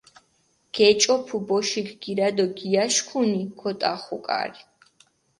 გეჭოფუ ბოშიქ გირა დო გიაშქუნი, გოტახუ კარი.